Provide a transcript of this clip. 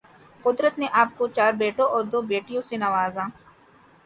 قدرت نے آپ کو چار بیٹوں اور دو بیٹیوں سے نوازا